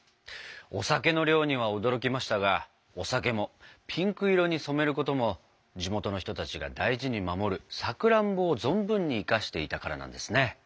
お酒の量には驚きましたがお酒もピンク色に染めることも地元の人たちが大事に守るさくらんぼを存分に生かしていたからなんですね。